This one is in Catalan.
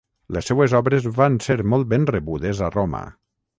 Les seues obres van ser molt ben rebudes a Roma.